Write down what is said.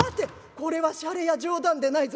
これはしゃれや冗談でないぞ。